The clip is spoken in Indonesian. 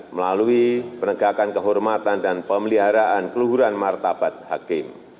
melalui penegakan kehormatan dan pemeliharaan keluhuran martabat hakim